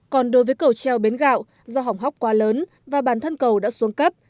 còn đối với cầu treo bến gạo do hỏng hóc quá lớn và bản thân cầu đã xuống cấp